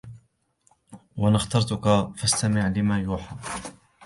وأنا اخترتك فاستمع لما يوحى